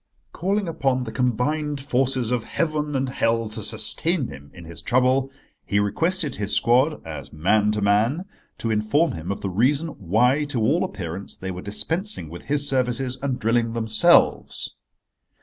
Calling upon the combined forces of heaven and hell to sustain him in his trouble, he requested his squad, as man to man, to inform him of the reason why to all appearance they were dispensing with his services and drilling themselves.